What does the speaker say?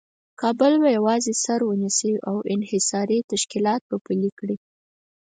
کابل په یوازې سر ونیسي او انحصاري تشکیلات پلي کړي.